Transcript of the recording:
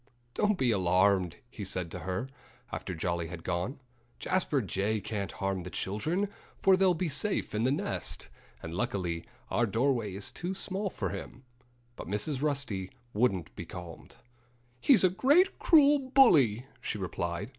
"Don't be alarmed!" he said to her, after Jolly had gone. "Jasper Jay can't harm the children, for they'll be safe in the nest. And luckily our doorway is too small for him." But Mrs. Rusty wouldn't be calmed. "He's a great, cruel bully," she replied.